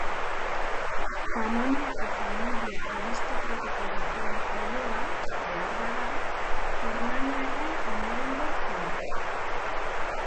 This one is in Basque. Panoniako familia aristokratiko batean jaioa, beharbada, germaniarren ondorengo zen.